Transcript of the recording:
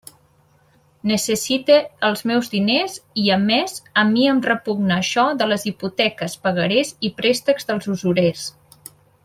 Necessite els meus diners; i a més, a mi em repugna això de les hipoteques, pagarés i préstecs dels usurers.